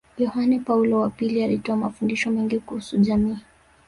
Yohane Paulo wa pili alitoa mafundisho mengi kuhusu jamii